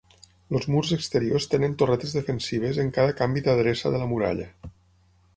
Els murs exteriors tenen torretes defensives en cada canvi d'adreça de la muralla.